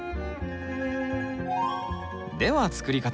では作り方。